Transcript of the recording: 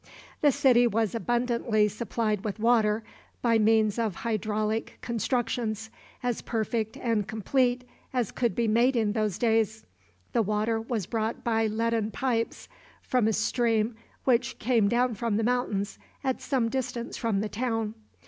The city was abundantly supplied with water by means of hydraulic constructions as perfect and complete as could be made in those days. The water was brought by leaden pipes from a stream which came down from the mountains at some distance from the town.